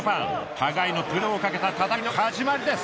互いのプライドをかけた戦いの始まりです。